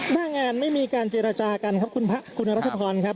น่างานไม่มีการเจรจากันครับคุณพระคุณรัชภรณ์ครับ